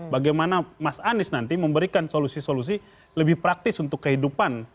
bagaimana mas anies nanti memberikan solusi solusi lebih praktis untuk kehidupan